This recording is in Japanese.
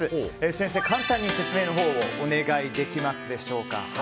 先生、簡単に説明のほうをお願いできますでしょうか。